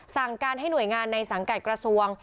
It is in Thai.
สั่งการให้หน่วยงานในสังกัดกระทรวง